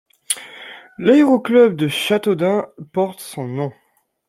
L'aéroclub de Châteaudun porte son nom.